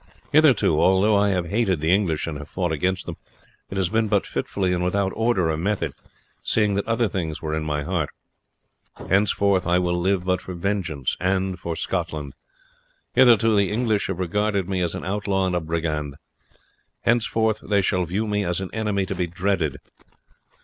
Hitherto, although I have hated the English and have fought against them, it has been but fitfully and without order or method, seeing that other things were in my heart. Henceforth I will live but for vengeance and Scotland. Hitherto the English have regarded me as an outlaw and a brigand. Henceforth they shall view me as an enemy to be dreaded.